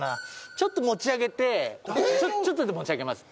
ちょっと持ち上げてちょっと持ち上げます。